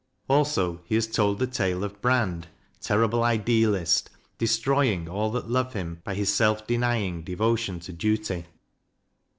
Also he has told the tale of Brand, terrible idealist, destroying all that love him by his self denying devotion to duty.